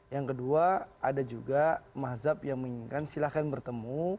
yang kedua ada juga mazhab yang menginginkan silahkan bertemu